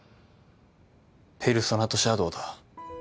ペルソナとシャドウだ。